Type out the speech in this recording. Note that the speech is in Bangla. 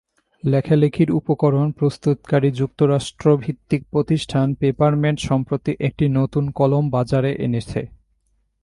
লেখালেখির উপকরণ প্রস্তুতকারী যুক্তরাষ্ট্রভিত্তিক প্রতিষ্ঠান পেপারমেট সম্প্রতি একটি নতুন কলম বাজারে এনেছে।